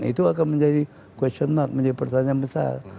itu akan menjadi pertanyaan besar